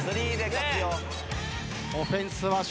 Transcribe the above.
オフェンスは笑